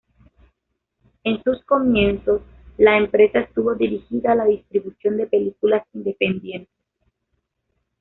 En sus comienzos la empresa estuvo dirigida a la distribución de películas independientes.